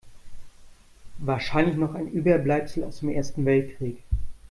Wahrscheinlich noch ein Überbleibsel aus dem Ersten Weltkrieg.